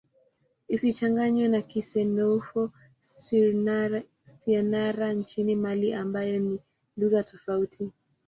Isichanganywe na Kisenoufo-Syenara nchini Mali ambayo ni lugha tofauti.